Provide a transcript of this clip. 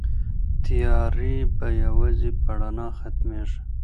تيارې به يوازې په رڼا ختميږي.